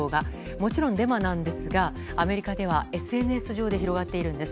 もちろんデマなんですがアメリカではＳＮＳ上で広がっているんです。